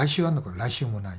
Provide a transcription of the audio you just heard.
来週もないって。